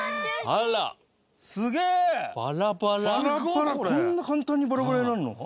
バラッバラこんな簡単にバラバラになるの？